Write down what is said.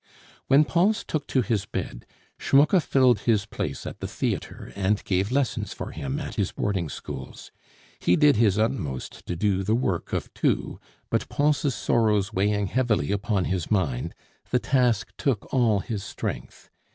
When Pons took to his bed, Schmucke filled his place at the theatre and gave lessons for him at his boarding schools. He did his utmost to do the work of two; but Pons' sorrows weighing heavily upon his mind, the task took all his strength.